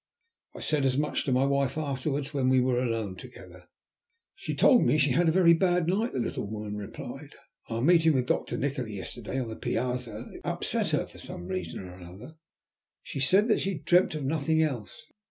I said as much to my wife afterwards, when we were alone together. "She told me she had had a very bad night," the little woman replied. "Our meeting with Doctor Nikola yesterday on the piazza upset her for some reason or another. She said that she had dreamt of nothing else.